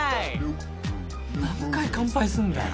何回乾杯すんだよ